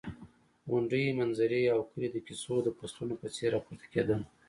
غونډۍ، منظرې او کلي د کیسو د فصلونو په څېر راپورته کېدل.